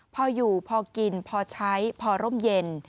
พออยู่พอกินพอใช้พอร่มเย็น